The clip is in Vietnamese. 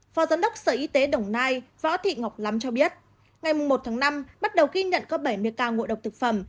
phó giám đốc sở y tế đồng nai võ thị ngọc lắm cho biết ngày một tháng năm bắt đầu ghi nhận có bảy mươi ca ngộ độc thực phẩm